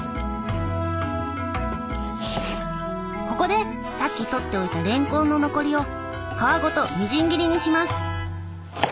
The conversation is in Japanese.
ここでさっき取っておいたれんこんの残りを皮ごとみじん切りにします。